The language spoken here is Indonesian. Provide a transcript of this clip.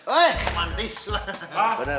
eh mantis lah